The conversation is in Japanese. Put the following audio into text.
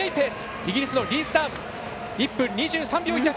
イギリスのリース・ダン１分２３秒１８。